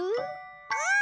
うん！